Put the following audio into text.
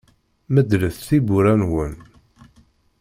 Medlet tiwwura-nwen.